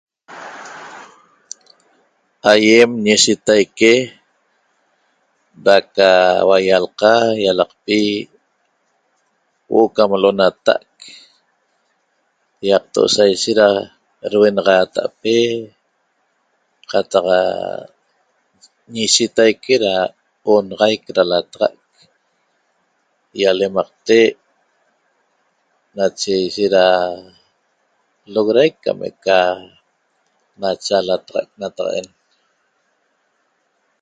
Ayem ñishetaque da qa huialca ialaqpi huoo ca lonatac yato sa ishet da urhuenaxatape qataq ca ñishetaique da onaxaiq da lataxaq ýalemaqte nache da ishet da loxoraiq cam eca lachalataxac nataqa'en